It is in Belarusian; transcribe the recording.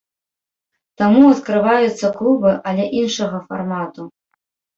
Таму адкрываюцца клубы, але іншага фармату.